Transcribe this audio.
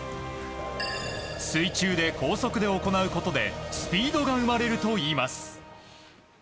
水中で高速で行うことでスピードが生まれるといいます。